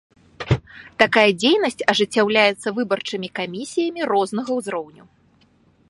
Такая дзейнасць ажыццяўляецца выбарчымі камісіямі рознага ўзроўню.